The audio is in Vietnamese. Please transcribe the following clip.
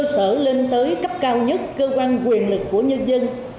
sở lên tới cấp cao nhất cơ quan quyền lực của nhân dân